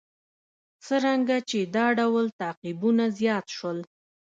څرنګه چې دا ډول تعقیبونه زیات شول.